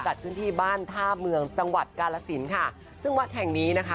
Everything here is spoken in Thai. จัดขึ้นที่บ้านท่าเมืองจังหวัดกาลสินค่ะซึ่งวัดแห่งนี้นะคะ